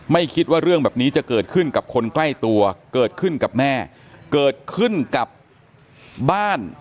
ไม่คิดว่าเรื่องแบบนี้จะเกิดขึ้นกับคนใกล้ตัวเกิดขึ้นกับแม่เกิดขึ้นกับบ้าน